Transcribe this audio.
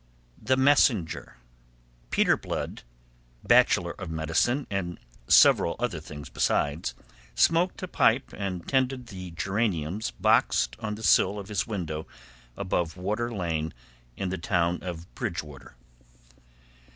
THE MESSENGER Peter Blood, bachelor of medicine and several other things besides, smoked a pipe and tended the geraniums boxed on the sill of his window above Water Lane in the town of Bridgewater.